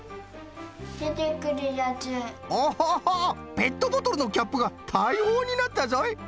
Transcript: ペットボトルのキャップがたいほうになったぞい。